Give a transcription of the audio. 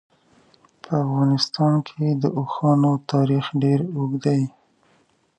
په افغانستان کې د اوښانو تاریخ ډېر اوږد دی.